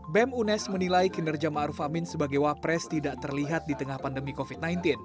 bem unes menilai kinerja ⁇ maruf ⁇ amin sebagai wapres tidak terlihat di tengah pandemi covid sembilan belas